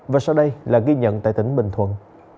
và sau đây là ghi nhận tại tỉnh bình thuận